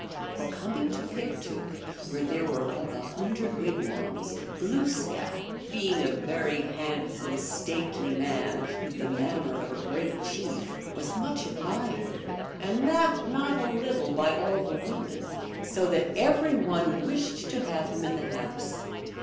For coining to Piktook, where there were above a hundred wigwams, Glooskap, being a very handsome, stately man, with the manner of a great chief, was much admired, and that not a little by all the women, so that every one wished to have him in the house.